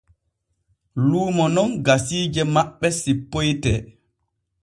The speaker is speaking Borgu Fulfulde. Luumo non gasiije maɓɓe sippoyte.